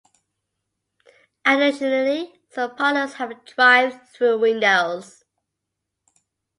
Additionally, some parlors have drive-through windows.